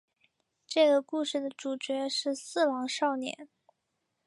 这个故事的主角是四郎少年。